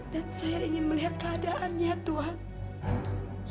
dan saya ingin melihat keadaannya tuhan